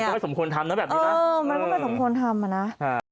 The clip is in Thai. ไม่สมควรทำนะแบบนี้นะเออมันก็ไม่สมควรทำอ่ะนะ